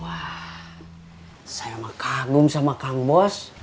wah saya mah kagum sama kang bos